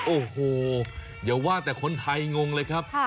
โอ้โหอย่าว่าแต่คนไทยงงเลยครับ